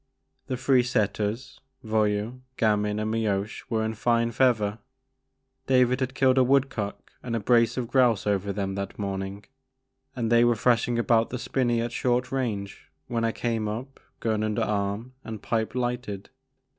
The three setters, Voyou, Gamin, and Mioche were in fine feather, — ^David had killed a woodcock and a brace of grouse over them that morning, — and they were thrashing about the spinney at short range when I came up, gun under arm and pipe lighted.